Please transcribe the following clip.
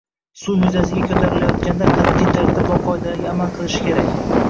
suv yuzasiga ko‘tarilayotganda qat’iy tartib va qoidalarga amal qilishi kerak